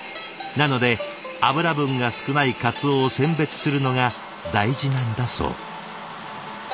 なので脂分が少ない鰹を選別するのが大事なんだそう。